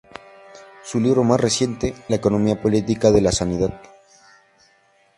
Su libro más reciente, "La economía política de la sanidad.